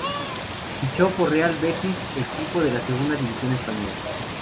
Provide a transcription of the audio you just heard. Fichó por Real Betis equipo de la Segunda división española.